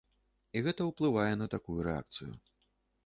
І гэта уплывае на такую рэакцыю.